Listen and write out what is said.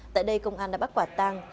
tại đây công an đã bắt quả tang